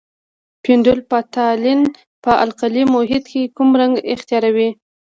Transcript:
فینول فتالین په القلي محیط کې کوم رنګ اختیاروي؟